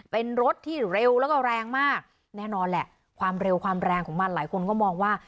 เป็นรถที่เร็วแล้วก็แรงมากแน่นอนแหละความเร็วความแรงของมันหลายคนก็มองว่า